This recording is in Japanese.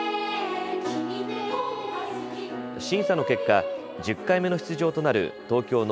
審査の結果、１０回目の出場となる東京の